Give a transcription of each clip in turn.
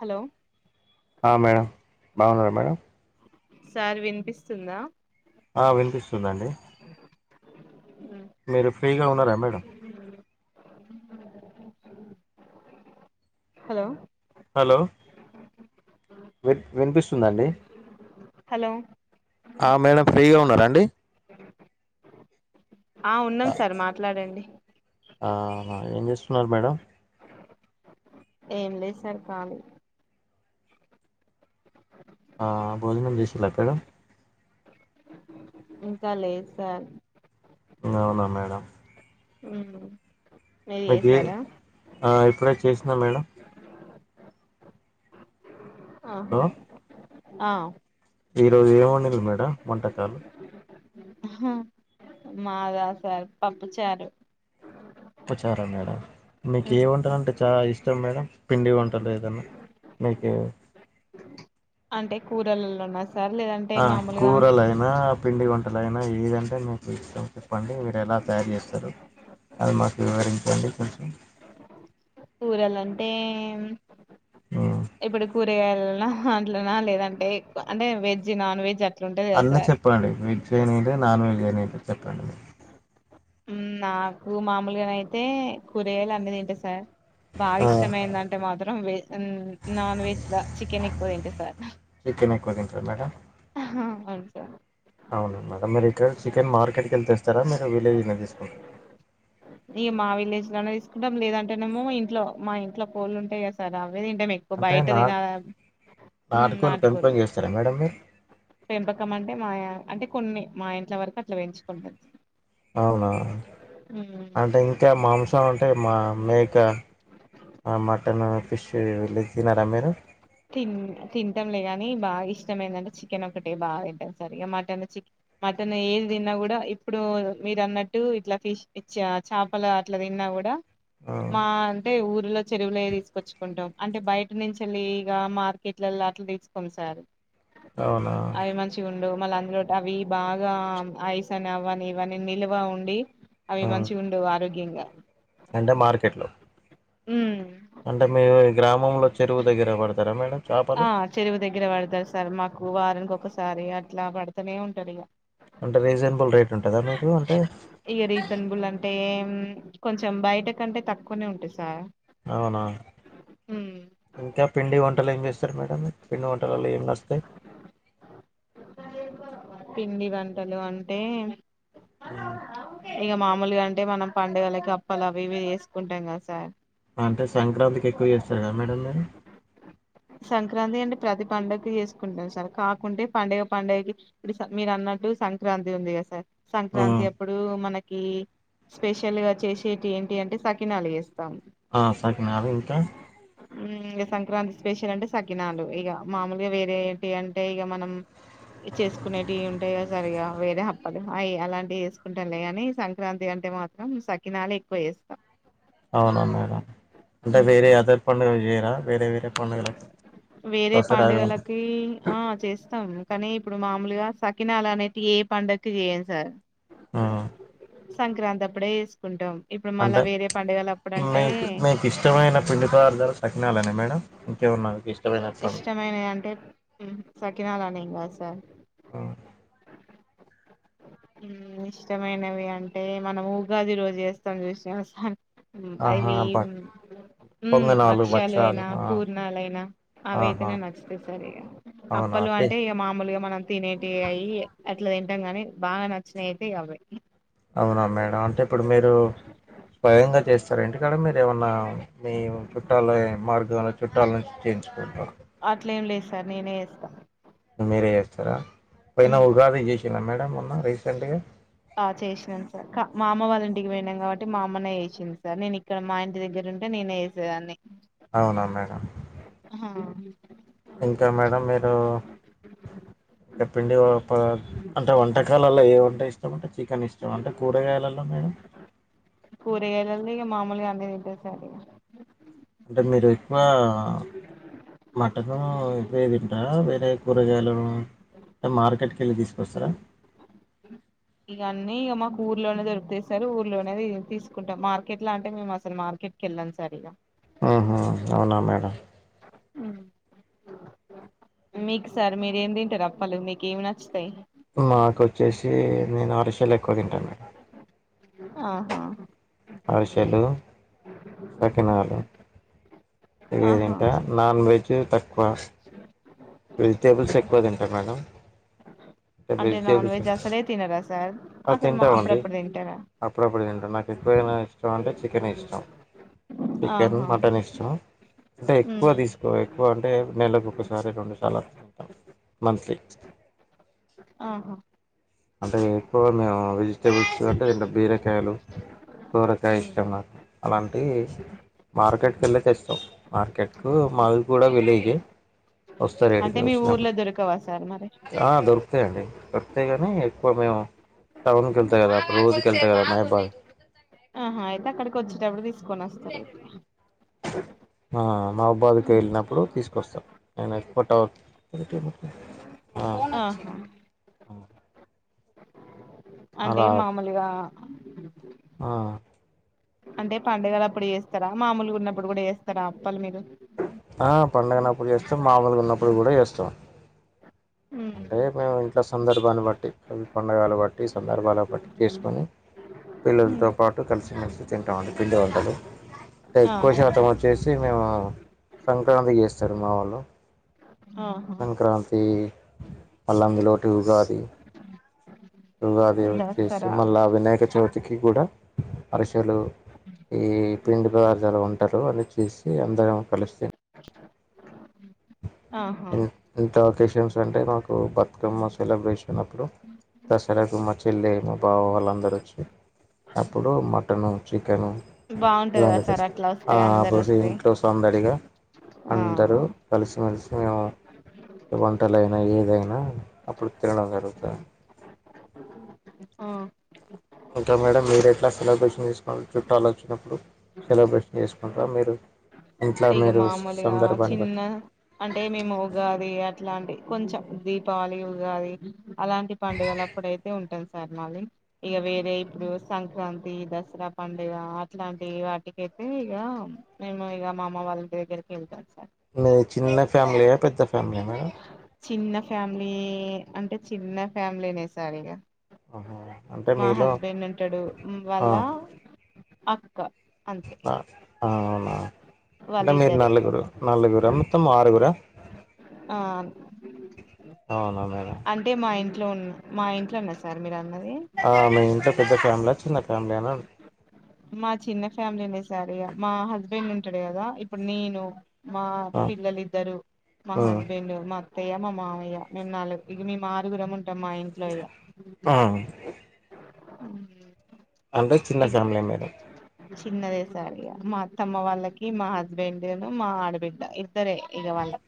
Hello ఆ madam బాగున్నారా madam sir వినిపిస్తుందా ఆ వినిపిస్తుందండి మీరు ఫ్రీగా ఉన్నారా మేడం హలో హలో విన్ వినిపిస్తుందా అండి హలో ఆ మేడం ఫ్రీగా ఉన్నారా అండి ఆ ఉన్నాం సార్ మాట్లాడండి ఆహా ఏం చేస్తున్నారు మేడం ఏం లేదు సార్ కాళీ ఆ భోజనం చేసిన్ల పేడం ఇంకా లేదు సార్ అవునా మేడం మ్ మీరు మీకు ఏ చేసారా ఆ ఇప్పుడే చేసినా మేడం ఆహా ఆ ఈ రోజు ఏం వండిన్లు మేడం వంటకాలు అహ మాదా సార్ పప్పు చారు పప్పుచారా మేడం మీకు మ్మ్ ఏవంటలు అంటే చాలా ఇష్ ఇంకేం మేడం పిండి వంటలు ఏదన్నా మీకి అంటే కూరలల్లన ఆ కూరలయినా పిండి వంటలయినా ఏదంటే మీకు ఇష్టం చెప్పండి మీరు ఎలా తయారు చేస్తారు అది మాకు వివరించండి కొంచం కూరలంటే హ్మ్. ఇప్పుడు కూర్ గే యల్న అంట్లనా లేదంటే అంటే వెజ్ నాన్ వెజ్ అ అన్నీ చెప్పండి వెజ్ అయినిలె నాన్ వెజ్ అయినిలె చెప్పండి నాకు మామూలుగానయితే కూరగాయలు అన్ని తింట సార్ బాగా ఆ ఇష్టమైందంటే మాత్రం వె మ్ నాన్ వెజ్లా చికెన్ ఎక్కువ తింట సార్ చికెన్ ఎక్కువ తింటర మేడం ఆ హా అవును సార్ అవున మేడం మీరీక్కడ చికెన్ మార్కెట్కి వెళ్ళి తేస్తారా మీరు విలేజ్ని తీసుకుంటార ఇగ మా విలేజ్ లోనే తీసుకుంటాం లేదంటేనేమో ఇంట్లో మా ఇంట్లో కోళ్ళు ఉంటాయి కద సార్ అవే తింటం ఎక్కువ అంటే బయట నా తిన ఉమ్ నాటుకోళ్లు నాటు పెంపకం కోళ్ళు చేస్తారా మేడం మీరు పెంపకం అంటే మా అంటే కొన్ని మా ఇంట్ల వరకు అట్లా పెంచుకుంటం అవున అంటే ఇంకా మాంసం అంటే మా మేక అ మటన్ ఫిష్ తినరా మీరు తిన్ తింటంలే గాని బాగా ఇష్ విషం ఎందంటే చికెన్ ఒకటే బాగా తింటాం సార్ ఇగ మటన్ చిక్ మటన్ ఏది తిన్నా కూడా ఇప్పుడు మీరన్నట్టు ఇట్లా ఫిష్ ఇచ్చ చాపలు అట్లా తిన్నా కూడా హ్మ్. మా అంటే ఊరిలో చెరువులేయే తీసుకొచ్చుకుంటాం అంటే బయ నుంచి వెళ్లి ఇగ మార్కెట్లల్ల అట్ల తీసుకొము సార్ అవునా మళ్ళ అందులో టవి బాగా ఐస్ అని అవని ఇవని నిల్వ ఉండి అవి హ్మ్. మంచిగుండవు ఆరోగ్యంగా అంటే మార్కెట్ లో ఉమ్ అంటే మీరు మీ గ్రామంలో చెరువు దగ్గర పడతారా మేడం చాపలు కు వారానికి ఒకసారి అట్లా పడతనే ఉంటారు ఇగ అంటే రీజనబుల్ రేట్ ఉంటుందా మీకు అంటే ఇగ రీజనబుల్ అంటే కొంచెం బయట కంటే తక్కువనే ఉంటాయి సార్ అవునా ఉమ్, ఇంకా పిండి వంటలు ఏం చేస్తరు మేడం పిండి వంటలల్ల ఏం నస్తయి పిండి వంటలు అంటే ఉ ఇగ మామూలుగా అంటే మనం పండగలకి అప్పాలు అవి ఇవి చేసుకుంటాం కదా సార్ అంటే సంక్రాంతికి ఎక్కువ చేస్తారు కదా మేడం మీరు సంక్రాంతి అంటే ప్రతి పండక్కి చేసుకుంటం సార్ కాకుంటే పండుగ పండుగకి ఇప్పుడు మీర్ అన్ న్నట్టు సంక్రాంతి ఉంది కద సార్ హ్మ్. సంక్రాంతి అప్పుడు మనకి స్పెషల్ గా చేసేటివి ఏంటి అంటే సకినాలు చేస్ ఆ సకినాలు ఇంకా ఇంగ సంక్రాంతి స్పెషల్ అంటే సకినాలు ఇగ మామూలుగా వేరే ఏంటి అంటే ఇగ మనం చేసుకునేటివి ఉంటాయి గా సార్ ఇగ వేరే అప్పాలు అయి అలాంటివి ఎసుకుంటాలేగాని సంక్రాంతి అం అంటె మాత్రం సకినాలే ఎక్కువ చేస్తా అవునవునవును అంటే వేరే అదర్ పండుగలు చేయరా వేరే వేరే పండుగలు వేరే పండగలకి ఆ చేస్తాము కానీ ఇప్పుడు మామూలుగా సకినాలు అనేటీయి ఏ పండకి చేయం సార్ ఆ సంక్రాంతి అప్పుడే చేసుకుంటాం ఇప్పుడు మళ్ళ అంటే వేరే పండగలు మీకు మీకు ఇష్టమైన పిండిపదార్థాలు సకినాలేన మేడం ఇంక ఏమైనా మీకు ఇష్టమైన అప్పులు ఇష్టం అయినాయి అంటే సకినాలని ఇంకా సార్ ఆ మ్ ఇష్టమైనవి అంటే మనం ఉగాది రోజు చేస్తాం చూసావా సార్ మ్ ఆహా అవి బ మ్ పొంగనాలు భక్షలు భక్షాలు అయినా ఆ పూర్ణాలయినా అవి ఆహా అయితేనే నచ్చతాయి సరిగా అవునా అప్ప అండి అంటే ఇగ మామలుగా మన తినేటివి అయి అట్లా తింటాం గాని బాగా నచ్చినయి అయితే ఇగ అవే అవునా మేడం అంటే ఇప్పుడు మీరు స్వయంగా చేస్తార ఇంటికాడ మీరు ఏమన్నా మీ చుట్టాల మార్గంలో చుట్టాల నుంచి చేయించుకుంటార అట్లేం లేదు సార్ నేనే చేస్తా మీరే చేస్తారా పోయిన మ్మ్ ఉగాది చేసిర మేడం మొన్న రీసెంట్గా ఆ చేసినం సార్ మా అమ్మ వాళ్ళ ఇంటికి పోయినాం కాబట్టి మా అమ్మనే చేసింది సార్ నేను ఇక్కడ మా ఇంటి దగ్గర ఉంటే నేనే చేసేదని అవునా మేడం హా ఇంకా మేడం మీరు చెప్పిండి అంటే వంటకాలల్లో ఏ వంట ఇష్టామ్ అంటే చికెన్ ఇష్టం అంటే కూరగాయలలో మేడం కూరగాయలలో ఇగ మామూలుగా అన్ని తింటా సార్ అంటే మీరు ఎక్కువ మటను ఇ పో తింటారా వేరే కూరగాయలు మార్కెట్కి వెళ్లి తీసుకస్తార ఇగ అన్నీ ఇగ మాకు ఊర్లోనే దొరుకుతయి సారు ఊర్లోనే తీసుకుంటాం మార్కెట్ లా అంటే మేమ్ అస్సల్ మార్కెట్ ట్కెల్ను సారిగా ఆహా అవునా మేడం మీకు సార్ మీరేం తింటారు అప్పలు మీక ఏమి నచ్చుతాయి నక్ ఓచెసి నేను ఆరుషలు ఎక్కువ తింటా మేడం ఆహా అరిసెలు సకినాలు ఇవ్వె ఆహా తింట నాన్ వెజ్ తక్కువ వెజిటేబుల్స్ ఎక్కువ తింటా మేడం అంటే నాన్ వెజ్ అసలే తినరా సార్ ఆ! అసలు తింటామండి. అప్పుడప్పుడు తింటారా అప్పుడప్పుడు తింటా నాకు ఎక్కువైన ఇష్టం అంటే చికెన్ ఎ ఇష్టం చికెన్ ఆహా మటన్ ఇష్టం అంటే ఎక్కువ ఉమ్ తీసుకో ఎక్కువ అంటే నెలకు ఒకసారి రెండుసార్లు అట్లా మంత్లీ ఆహా అంటే ఎక్కువ మేము వెజిటేబుల్స్ అంటే ఇట్ల బీరకాయలు సొరకై ఉమ్ ఇష్టం నాకు అలాంటి మార్కెట్కి ఏళ్లి తెస్తాం మార్కెట్ కు మాది కూడా విలేజె వస్తారేడికి అంటే మీ వచ్చినప్పుడు ఊర్లో దొరకవా సార్ మరి ఆ దొరుకుతాయండి దొరుకుతాయి ఆ ఎక్కువ మేము టౌన్ కెళ్త కదా అప్పుడు రోడుక ఎళ్తా కదా మహబాద్ ఆహా అయితే అక్కడికి ఓచ్చేటప్పుడు తీసుకొని వస్తాను మా మహబాద్కి వెళ్ళినప్పుడు తీసుకొస్తాను నేను ఎక్కువ టౌన్ బట్ అవర్ ఆహా ఆ అంటే అలా మామూల్గా ఆ అంటే పండగలప్పుడు చేస్తారా మామూల్గున్నప్పుడు కూడా చేస్తారా అప్పల్ మీరు ఆ పండగన్నప్పుడు చేస్తాం మాముూల్గున్నప్పుడు గుడా చేస్తాం అంటే ఉమ్ మేము ఇంట్ల సందర్భాన్ని బట్టి పండగలు బట్టి సందర్భాల బట్ చేస్కొని పిల్లలతో పాటు కల్సి మెల్సి తింటాం అండి పిండి వంటలు. అంటే ఎక్కువ ఆహా శాతం వచ్చేసి మేము సంక్రాంతి చేస్తరు మా వాళ్ళు ఆహా సంక్రాంతీ మళ్ళ అందులోటి ఉగాది ఉగాది వచ్చేసి దసరా మళ్ళా వినాయక చవితికి కూడా అరి టలు ఈ పిండి పదార్థాలు ఉంటరు అవి చేసి అందరం కల్సి ఆహా ఎం ఎంత ఒకేషన్స్ అంటే మాకు బతుకమ్మ సెలబ్రేషన్ అప్పుడు దసరకు మా చెల్లె మా బావ వాళ్లందరూ వచ్చి అప్పుడు మటను చి బాగుంటది కదా సార్ అట్లా వస్తే ఆ అప్పుడు ఇంట్లో సందడిగా అవ్ను కల్సి మెల్సి ఉందామా వంటలైనా ఏదైనా అప్పుడు తినడం జరుగుత ఆ ఇంకా మేడం మీరెట్లా సెలబ్రేషన్ చేస్తా చుట్టాల్ వచ్చినప్పుడు సెలబ్రేషన్ చేసుకుంటార మీరు ఇంట్లో ఇగ మీరు మామూల్గా సందర్భాన్ని చిన్న బట్టి అంటే మేము ఉగాది ఇలాంటి కొంచెం దీపావళి, ఉగాది అలాంటి పండుగలప్పుడయితే ఉంట సార్ మళ్ళీ ఇగ వేరే ఇప్పుడు సంక్రాంతి, దసరా పండుగ అట్లాంటి వాటికై తే ఇగ మేము ఇగ మా అమ్మ వాళ్ళ దగ్గరకి ఎళ్తం సార్ నే చిన్న ఫ్యామిలీయా పెద్ద ఫ్యామిలీయా మేడం చిన్న ఫ్యామిలీ అంటే చిన్న ఫ్యామిలీనే సార్ ఇగ ఆహా అంటే మా మీలో హస్బెండ్ ఉంటడు వాళ్ళా న ఆ అవునా అంటే మీరు వాళ్ళిద్దరే నలుగురు నలుగుర మొత్తం ఆరుగుర ఆ అవునా మేడం. అంటే మా ఇంట్లో ఉన్నర్ సార్ మీరందరు ఆ మీ ఇంత పెద్ద ఫ్యామ్ల చిన్న ఫ్యామిలియా అన్ మా చిన్న ఫ్యామిలీనే సార్ ఇగ మా హస్బెండ్ ఉంటడు గదా ఇప్పుడ్ నేను మా ఆ పిల్లల్ ఇద్దరు, మా ఆ హస్బెండ్, మా అత్తయ్య, మా మామయ్య మేం నలుగ్ ఇగ మేం ఆరుగురం ఉం టం మా ఇంట్లో ఇలా ఆ అంటే చిన్న ఫ్యామిలీయా మీరు చిన్నదే సార్ ఇగ మా అత్తమ్మ వాళ్ళకి మా హస్బెండ్ను మా ఆడబిడ్డ ఇద్దరే ఇగ వాళ్ళక్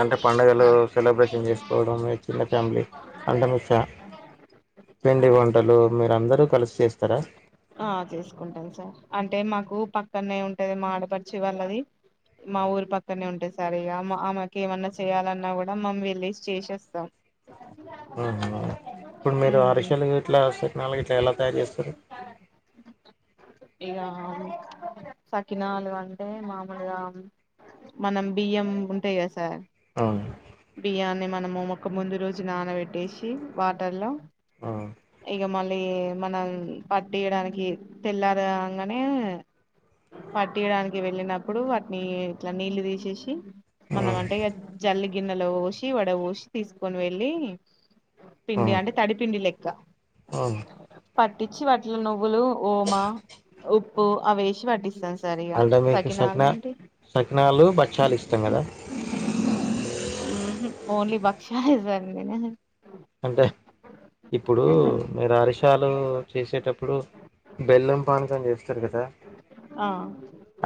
అంటే పండగలు సెలబ్రేషన్ చేసుకోవడం మీ చిన్న ఫ్యామిలీ అంటే మీ ఫ్యా పిండి వంటలు మీరందరు కలిసి చేస్తరా? ఆ చేసుకుంటాం సార్ అంటే మాకు పక్కనే ఉంటది మా ఆడపడుచు వాళ్ళది మా ఆ! ఊరి పక్కనే ఉంటది సార్ ఇగ మా అమ్మకి ఏమన్న చేయాలన్న గుడం మనం వెళ్లేసి చేసేస్తాం. ఇప్పుడు మీరు ఉమ్ అరిషల్ గిట్ల సకినాల్ గిట్ల ఎలా తయారు చేస్తరు? ఇగా సకినాలు అంటే మామూల్గా మనం బియ్యం ఉంటయిగా సార్ అ బియ్యాన్ని మనము మొక్క ముందు రోజు నానబెట్టిసి వాటర్ లొ ఆ ఇగ మల్ ఏ మనం పట్టియడానికి తెల్లారు గంగానే పట్టియడానికి వెళ్ళినప్పుడు వాటిని ఇట్ల నీళ్లు తీసేసి మనం అంటే ఇగ జల్లి గిన్నెలో పోసి వడ పోసి తీసుకొని వెళ్ళి పిండి అంటే తడిపిండి లెక్క అ పట్టిచ్చి వాటిలో నువ్వులు ఓమా ఉప్పు అవేసి పట్టిస్తా అంట మీకు సకినా సకినాలు బచ్చాలు ఇష్టం కదా ఊహు ఓన్లీ బక్షాలు [unintelligible] అంటే ఇప్పుడు మీరు అరిషాలు చేసేటప్పుడు బెల్లం పానకం చేస్తరు కదా ఆ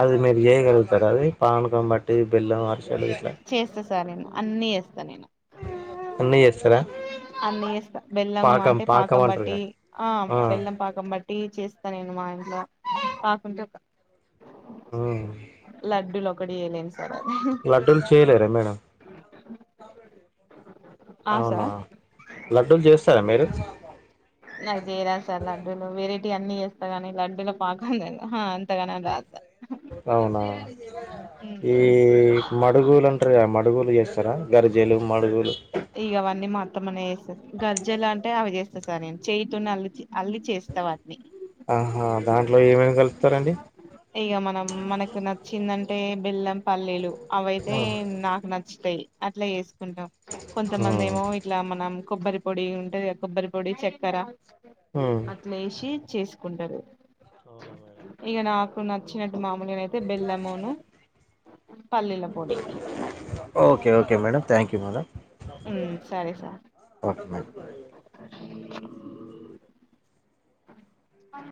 అది మీరు చేయగలుగుత తరది పానకం బట్టి బెల్లం అరిసెలు గిట్ల చేస్తా సార్ నేను అన్నీ చేస్తా నేను అన్నీ చేస్తారా అన్నీ చేస్తా బెల్లం అంటే పాకం బట్టి ఆ బెల్లం పాకం బట్టి టీ చేస్తా నేను మా ఇంట్లో కాకుంటే ఒక మ్ లడ్డులోకటి చేయలేను సార్ అది లడ్డూలు చేయలేరా మేడం ఆ అవునా సార్ లడ్డూలు చేస్తారా మీరు నాకు చేయ రాదు సార్ లడ్డూలు వెరెటీ అన్ని చేస్తా గానీ లడ్డూల పాకం దను హ అంతగనం రాద్ సార్ అవునా ఈ మడుగులు అంటారు గా మడుగులు చేస్తారా గరిజేలు మడుగులు ఇగవన్నీ మా అత్తమ్మనే చేస్తది గర్జలు అంటే అవి చేస్తా సార్ నేను చేయతోనే అల్ అల్లి చేస్ స్త వాటిని ఆహా దాంట్లో ఏమేమి కల్పుతారండీ ఇగ మనం మనకు నచ్చిందంటే బెల్లం పల్లీలు అవయితే ఆ నాకు నచ్చుతాయి అట్లా జేసుకుంటాం కొంతమంది ఏమో ఇట్లా మనం కొబ్బరి పొడి ఉంటది కదా కొబ్బరి పొడి చక్కెర ఉమ్ అట్లేసి చేసుకుంటారు అవునా మేడం ఇగ నాకు నచ్చిన మామూలుగానైతే బెల్లమూను పల్లీల పొడి okay okay madam thank you madam ఉమ్ సరే సార్ ఒకే మేడం